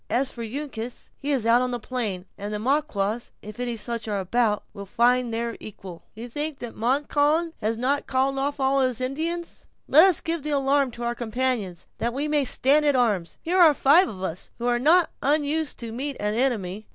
As for Uncas, he is out on the plain, and the Maquas, if any such are about us, will find their equal." "You think that Montcalm has not called off all his Indians? Let us give the alarm to our companions, that we may stand to our arms. Here are five of us, who are not unused to meet an enemy."